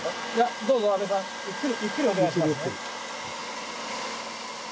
どうぞ阿部さんゆっくりお願いしますね。